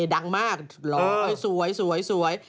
ดังมากหล่อยสวยสวยสวย